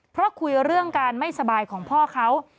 เพราะคุยเรื่องการไม่สบายของพ่อเขา